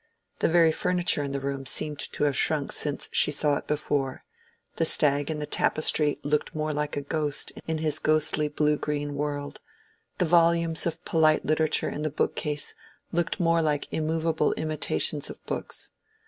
The very furniture in the room seemed to have shrunk since she saw it before: the stag in the tapestry looked more like a ghost in his ghostly blue green world; the volumes of polite literature in the bookcase looked more like immovable imitations of books.